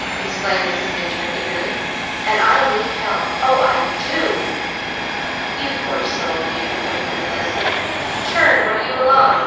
exclaimed Mrs. Minturn eagerly. "And I need help! Oh I do!" "You poor soul, you!" comforted Leslie. "Turn where you belong!